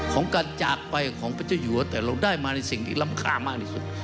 ของการจากไปของพระเจ้าอยู่แต่เราได้มาในสิ่งที่รำคามากที่สุด